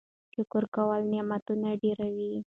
شکر کول نعمتونه ډېروي.